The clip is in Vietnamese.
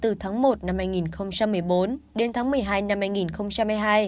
từ tháng một năm hai nghìn một mươi bốn đến tháng một mươi hai năm hai nghìn hai mươi hai